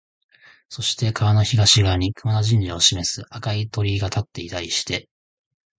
そして川の東側に熊野神社を示す赤い鳥居が立っていたりして、